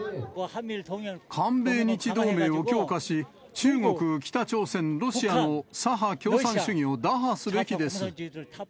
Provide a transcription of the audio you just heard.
韓米日同盟を強化し、中国、北朝鮮、ロシアの左派共産主義を打破すべきです。